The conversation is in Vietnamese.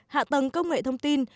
hạ tầng công nghệ thông tin